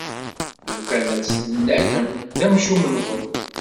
Lukan ad t-tennalem, d amcum-nwen!